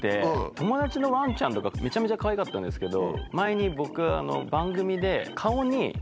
友達のワンちゃんめちゃめちゃかわいかったんですけど。